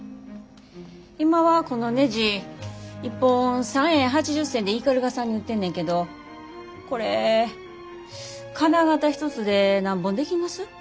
今はこのねじ一本３円８０銭で斑鳩さんに売ってんねんけどこれ金型一つで何本できます？